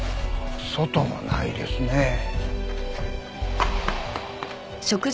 外もないですね。